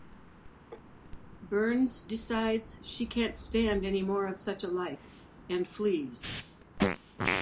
Burns decides she can't stand any more of such a life, and flees.